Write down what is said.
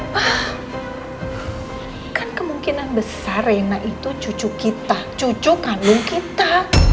wah kan kemungkinan besar rena itu cucu kita cucu kandung kita